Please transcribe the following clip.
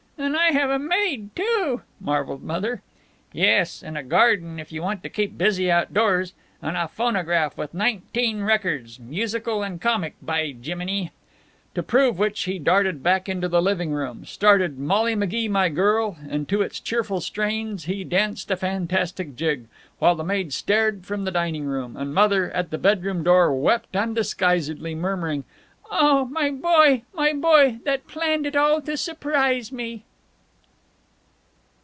"And I have a maid, too!" marveled Mother. "Yes, and a garden if you want to keep busy outdoors. And a phonograph with nineteen records, musical and comic, by Jiminy!" To prove which he darted back into the living room, started "Molly Magee, My Girl," and to its cheerful strains he danced a fantastic jig, while the maid stared from the dining room, and Mother, at the bedroom door, wept undisguisedly, murmuring, "Oh, my boy, my boy, that planned it all to surprise me!"